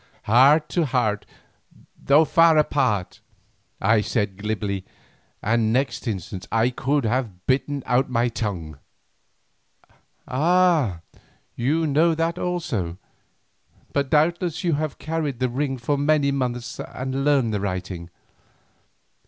"Heart to heart, Though far apart," I said glibly, and next instant I could have bitten out my tongue. "Ah! you know that also, but doubtless you have carried the ring for many months and learned the writing.